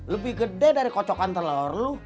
lebih gede dari kocokan telor lu